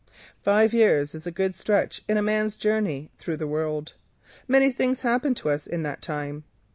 Five years is a good stretch in a man's journey through the world. Many things happen to us in that time.